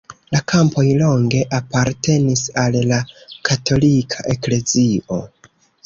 La kampoj longe apartenis al la katolika eklezio.